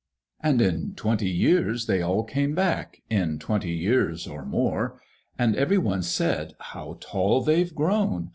And in twenty years they all came back, In twenty years or more, And every one said, "How tall they've grown!